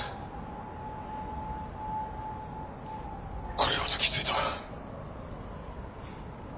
これほどきついとは。